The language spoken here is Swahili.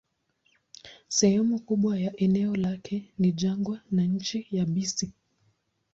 Sehemu kubwa ya eneo lake ni jangwa na nchi yabisi.